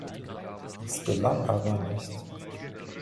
Dies gelang aber nicht.